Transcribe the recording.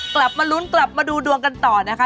กลับมาลุ้นกลับมาดูดวงกันต่อนะคะ